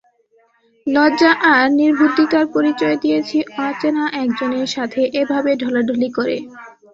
লজ্জা আর নির্বুদ্ধিতার পরিচয় দিয়েছি অচেনা একজনের সাথে এভাবে ঢলাঢলি করে।